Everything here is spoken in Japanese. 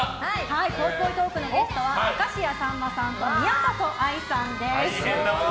ぽいぽいトークのゲストは明石家さんまさんと宮里藍さんです。